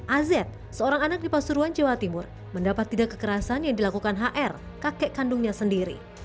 az seorang anak di pasuruan jawa timur mendapat tindak kekerasan yang dilakukan hr kakek kandungnya sendiri